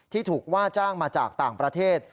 ถูกว่าจ้างมาจากต่างประเทศ